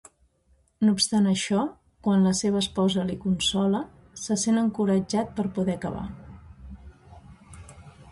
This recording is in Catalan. No obstant això, quan la seva esposa li consola, se sent encoratjat per poder acabar.